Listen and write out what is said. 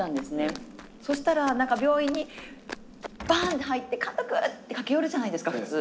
そしたら何か病院にバーンって入って「監督！」って駆け寄るじゃないですか普通。